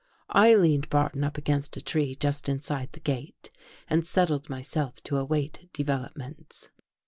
I leaned Barton up against a tree ^ just inside the gate and settled myself to await i developments.